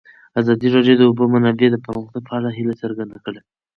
ازادي راډیو د د اوبو منابع د پرمختګ په اړه هیله څرګنده کړې.